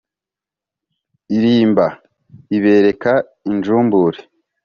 Irimba, ibereka injumbure.